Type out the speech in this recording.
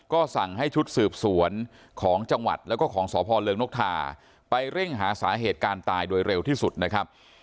ก็สั่งให้ชุดสืบสวนของจังหวัดแล้วก็ของสพเริงนกทาไปเร่งหาสาเหตุการณ์ตายโดยเร็วที่สุดนะครับ